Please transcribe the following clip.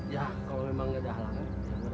ya kalau memang ada halangan